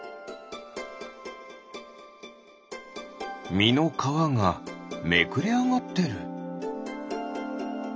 みのかわがめくれあがってる。